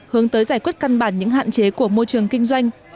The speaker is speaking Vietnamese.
hướng tới giải quyết căn bản những hạn chế của môi trường kinh doanh